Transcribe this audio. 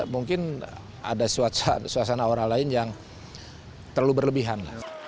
mungkin ada suasana orang lain yang terlalu berlebihan